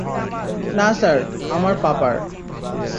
না স্যার, আমার পাপার।